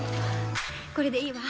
これでいいわ。